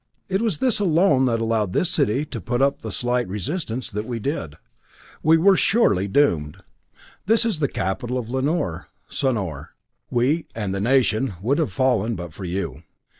It was this alone that allowed this city to put up the slight resistance that we did. We were surely doomed. This is the capital of Lanor, Sonor. We and the nation would have fallen but for you.